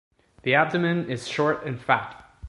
The abdomen is short and fat.